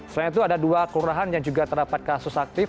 selain itu ada dua kelurahan yang juga terdapat kasus aktif